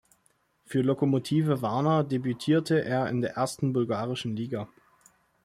Für Lokomotive Warna debütierte er in der ersten bulgarischen Liga.